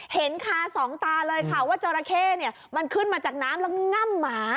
เห็นคาสองตาเลยค่ะว่าจราเข้มันขึ้นมาจากน้ำแล้วง่ำหมา